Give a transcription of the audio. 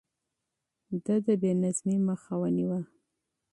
ده د بې نظمۍ مخه ونيوه.